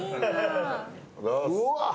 うわっ！